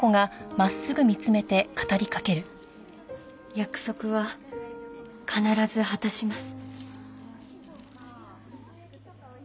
約束は必ず果たします。